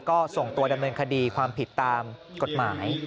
ก็ส่งตัวดำเนินคดีความผิดตามกฎหมาย